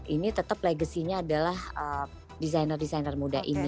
ini tetap legacy nya adalah designer designer muda ini